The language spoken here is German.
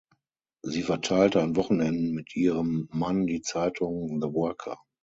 Sie verteilte an Wochenenden mit ihrem Mann die Zeitung „The Worker“.